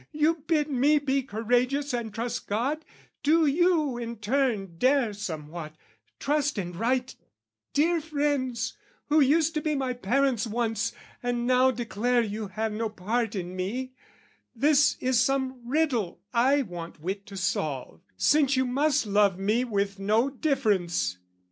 "You bid me be courageous and trust God: "Do you in turn dare somewhat, trust and write "'Dear friends, who used to be my parents once, "'And now declare you have no part in me, "'This is some riddle I want wit to solve, "'Since you must love me with no difference.